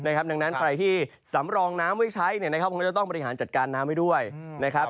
เยอะมันเป็นเป็นเสร็จโดยเงียบรอบ